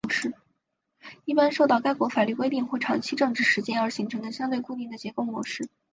一般受到该国法律规定或长期政治实践而形成相对固定的结构模式。